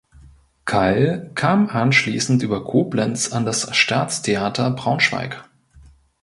Keil kam anschließend über Koblenz an das Staatstheater Braunschweig.